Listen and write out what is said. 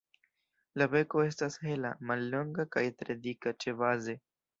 La beko estas hela, mallonga kaj tre dika ĉebaze.